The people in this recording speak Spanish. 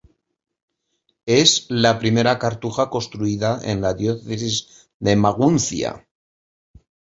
Es la primera cartuja construida en la diócesis de Maguncia.